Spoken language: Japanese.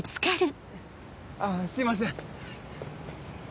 あすいません。